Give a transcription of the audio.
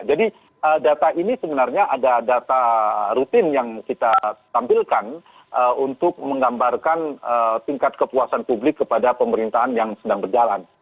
jadi data ini sebenarnya ada data rutin yang kita tampilkan untuk menggambarkan tingkat kepuasan publik kepada pemerintahan yang sedang berjalan